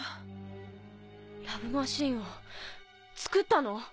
「ラブ・マシーン」を作ったの？